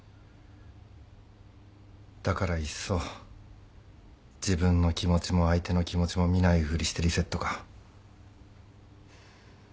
だからいっそ自分の気持ちも相手の気持ちも見ないふりしてリセットか。